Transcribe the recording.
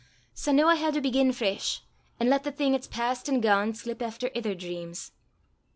"Sae noo I hae to begin fresh, an' lat the thing 'at's past an' gane slip efter ither dreams.